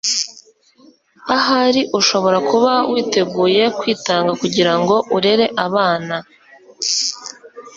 ahari ushobora kuba witeguye kwitanga kugirango urere abana